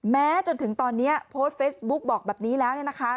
แม้จนถึงตอนนี้โพสต์เฟซบุ๊คบอกแบบนี้แล้วเนี่ยนะคะ